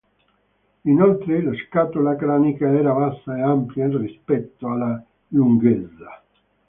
Inoltre la scatola cranica era bassa e ampia rispetto alla lunghezza.